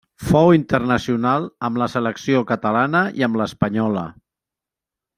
Fou internacional amb la selecció catalana i amb l'espanyola.